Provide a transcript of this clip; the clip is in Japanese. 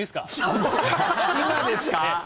今ですか？